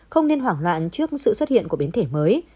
không nên hoảng loạn trước sự xuất hiện của biến thể mới